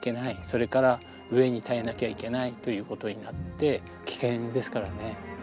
それから飢えに耐えなきゃいけないということになって危険ですからね。